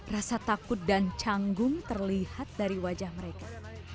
rasa takut dan canggung terlihat dari wajah mereka